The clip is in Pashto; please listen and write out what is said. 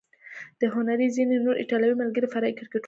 د هنري ځینې نور ایټالوي ملګري فرعي کرکټرونه دي.